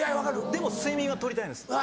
でも睡眠は取りたいんです。